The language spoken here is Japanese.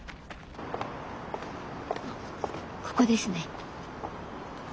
ここですね。